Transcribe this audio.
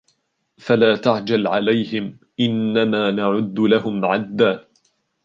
فَلَا تَعْجَلْ عَلَيْهِمْ إِنَّمَا نَعُدُّ لَهُمْ عَدًّا